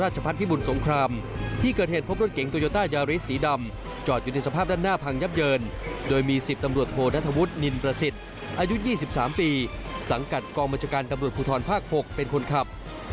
สังกัดกองบัญชาการตำรวจภูทรภาค๖เป็นคนขับ